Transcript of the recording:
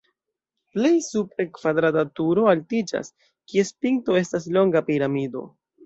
Plej supre kvadrata turo altiĝas, kies pinto estas longa piramido.